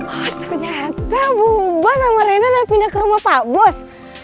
oh ternyata bu bos sama reina udah pindah ke rumah pak bos